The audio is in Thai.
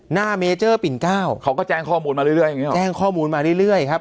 หน้าเมเจอร์ปิ่นเก้าเขาก็แจ้งข้อมูลมาเรื่อยแจ้งข้อมูลมาเรื่อยครับ